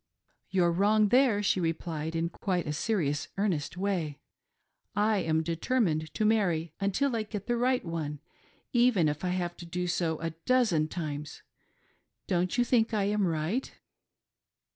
"You're wrong there," she replied, in quite a serious, earnest way, " I am determined to marry until I get the right one, even if I have to do so a dozen times. Don't you think I am right